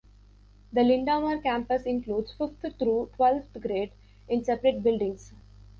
The Linda Mar campus includes fifth through twelfth grade in separate buildings.